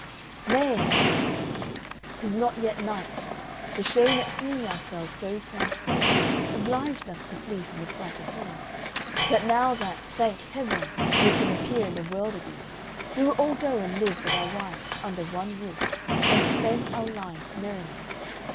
"Nay," answered the Princes, "'tis not yet night; the shame at seeing ourselves so transformed obliged us to flee from the sight of men; but now that, thank Heaven! we can appear in the world again, we will all go and live with our wives under one roof, and spend our lives merrily.